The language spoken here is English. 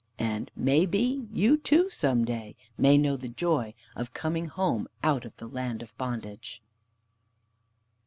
And, may be, you too some day may know the joy of coming home, out of the land of bondage.